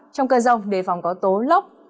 trong cơn giông đề phòng có tố lốc